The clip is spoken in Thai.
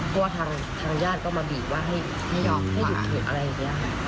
เพราะว่าทางญาติก็มาบีบว่าให้หยุดเผ็ดอะไรอย่างเงี้ย